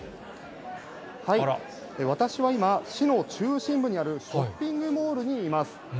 私は今、市の中心部にあるショッピングモールにいます。